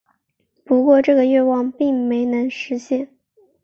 不过这个愿望并没能实现。